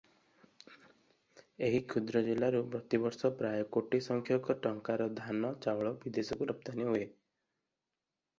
ଏହି କ୍ଷୁଦ୍ର ଜିଲ୍ଲାରୁ ପ୍ରତିବର୍ଷ ପ୍ରାୟ କୋଟି ସଂଖ୍ୟକ ଟଙ୍କାର ଧାନ ଚାଉଳ ବିଦେଶକୁ ରପ୍ତାନି ହୁଏ ।